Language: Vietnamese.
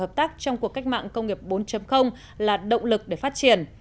hợp tác trong cuộc cách mạng công nghiệp bốn là động lực để phát triển